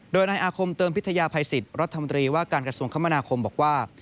โดยนายอาคมเติมพิทยาภัยสิทธิ์รัฐมนตรีว่าการกระทรวงคมนาคมบอกว่า